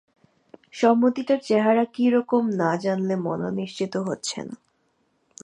সম্মতিটার চেহারা কী রকম না জানলে মন নিশ্চিন্ত হচ্ছে না।